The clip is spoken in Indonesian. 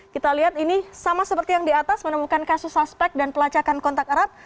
kita lihat ini sama seperti yang di atas menemukan kasus suspek dan pelacakan kontak erat